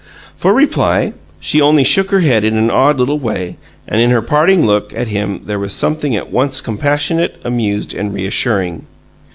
For reply she only shook her head in an odd little way, and in her parting look at him there was something at once compassionate, amused, and reassuring.